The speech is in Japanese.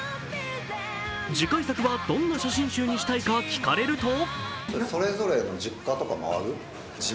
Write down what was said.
次回作はどんな写真集にしたいか聞かれると？